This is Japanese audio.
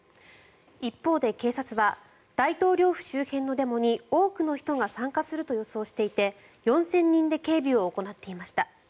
一方で警察は大統領府周辺のデモに多くの人が参加すると予想していて４０００人で警備を行っていました。